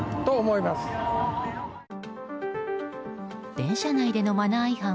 電車内のマナー違反